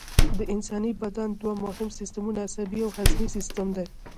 د انساني بدن دوه مهم سیستمونه عصبي او هضمي سیستم دي